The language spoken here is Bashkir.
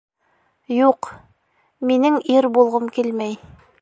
— Юҡ, минең ир булғым килмәй.